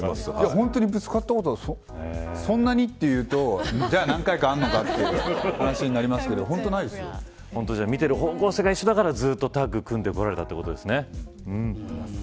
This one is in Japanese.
本当にぶつかったことはそんなに、と言うと、じゃあ何回かあるのかとなりますけど見ている方向性が一緒だからずっとタッグを組んでこられているということですね。